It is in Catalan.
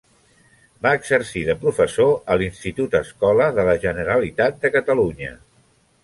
Va exercir de professor a l'Institut-Escola de la Generalitat de Catalunya.